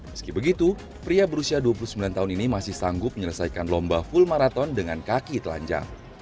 meski begitu pria berusia dua puluh sembilan tahun ini masih sanggup menyelesaikan lomba full maraton dengan kaki telanjang